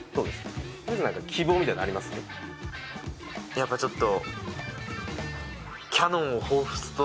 やっぱちょっと。